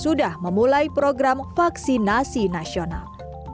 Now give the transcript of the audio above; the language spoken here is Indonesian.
sudah memulai program vaksinasi nasional